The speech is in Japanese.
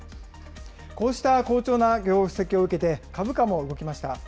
こうした好調な業績を受けて、株価も動きました。